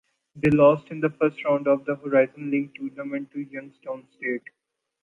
They lost in the first round of the Horizon League Tournament to Youngstown State.